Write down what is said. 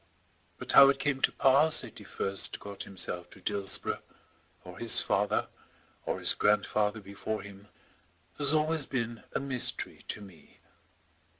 But how it came to pass that he first got himself to Dillsborough, or his father, or his grandfather before him, has always been a mystery to me.